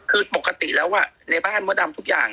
คือปกติแล้วในบ้านมดดำทุกอย่าง